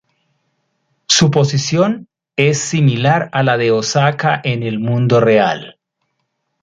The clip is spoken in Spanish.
Su posición es similar a la de Osaka en el mundo real.